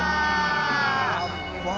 やっば！